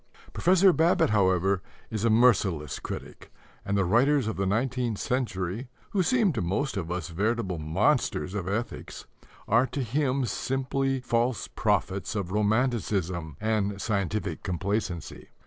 Professor Babbitt, however, is a merciless critic, and the writers of the nineteenth century, who seemed to most of us veritable monsters of ethics, are to him simply false prophets of romanticism and scientific complacency.